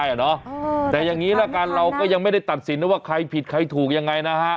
ให้ได้อ่ะเนาะแต่อย่างงี้แล้วกันเราก็ยังไม่ได้ตัดสินว่าใครผิดใครถูกยังไงนะฮะ